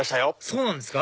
そうなんですか？